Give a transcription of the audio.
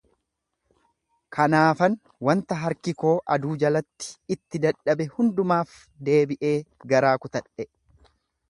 Kanaafan wanta harki koo aduu jalatti itti dadhabe hundumaaf deebi'ee garaa kutadhe;